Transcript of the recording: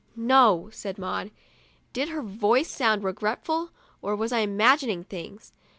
" No," said Maud. Did her voice sound regretful, or was I imagining things?